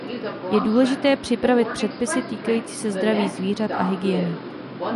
Je důležité připravit předpisy týkající se zdraví zvířat a hygieny.